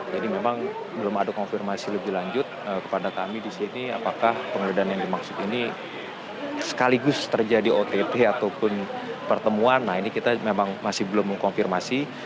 jadi memang belum ada konfirmasi lebih lanjut kepada kami disini apakah penggeledahan yang dimaksud ini sekaligus terjadi ott ataupun pertemuan nah ini kita memang masih belum mengkonfirmasi